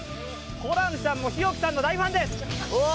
ホランさんも日置さんの大ファンです。